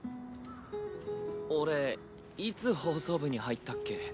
俺いつ放送部に入ったっけ？